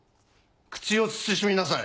口を慎みなさい。